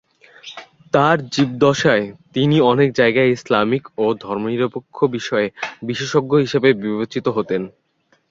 তাঁর জীবদ্দশায় তিনি অনেক যায়গায় ইসলামিক এবং ধর্মনিরপেক্ষ বিষয়ে বিশেষজ্ঞ হিসাবে বিবেচিত হতেন।